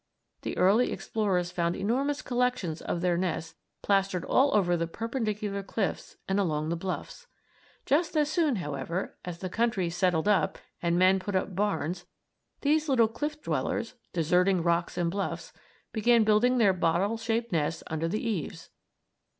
The early explorers found enormous collections of their nests plastered all over the perpendicular cliffs and along the bluffs. Just as soon, however, as the country settled up and men put up barns these little cliff dwellers, deserting rocks and bluffs, began building their bottle shaped nests under the eaves.